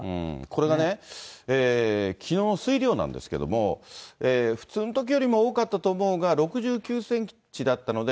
これがね、きのうの水量なんですけれども、普通のときよりも多かったと思うが、６９センチだったので、